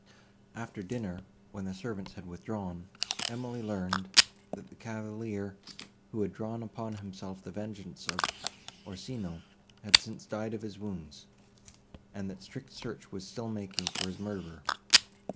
After dinner, when the servants had withdrawn, Emily learned, that the cavalier, who had drawn upon himself the vengeance of Orsino, had since died of his wounds, and that strict search was still making for his murderer.